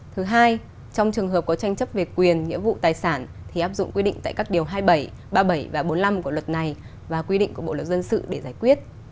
thứ hai trong trường hợp có tranh chấp về quyền nghĩa vụ tài sản thì áp dụng quy định tại các điều hai mươi bảy ba mươi bảy và bốn mươi năm của luật này và quy định của bộ luật dân sự để giải quyết